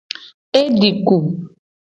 E di ku.